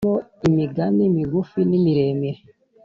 harimo imigani migufi n’imiremire